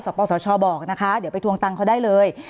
ปสชบอกนะคะเดี๋ยวไปทวงตังค์เขาได้เลย